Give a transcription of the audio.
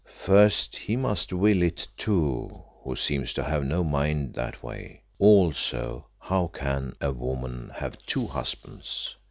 "First he must will it too, who seems to have no mind that way. Also, how can a woman have two husbands?"